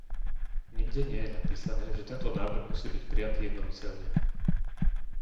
Nikde nie je napísané, že tento návrh musí byť prijatý jednomyseľne.